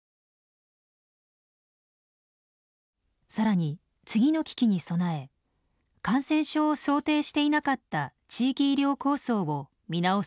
更に次の危機に備え感染症を想定していなかった地域医療構想を見直す方針です。